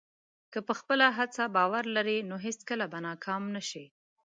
که په خپله هڅه باور لرې، نو هېڅکله به ناکام نه شې.